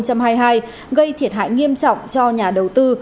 gây thiệt hại nghiêm trọng cho nhà đầu tư